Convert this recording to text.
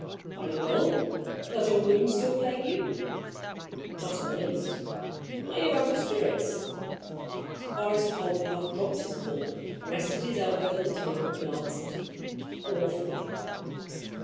Are you ill? Does your wound still plague you?" "Not in the least." "Are you out of spirits?" Horace Holmcroft dropped his fork, rested his elbows on the table, and answered: "Awfully."